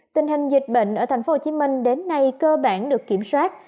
tình hình dịch bệnh ở tp hcm đến nay cơ bản được kiểm soát